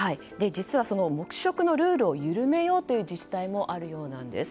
実は黙食のルールを緩めようという自治体もあるんです。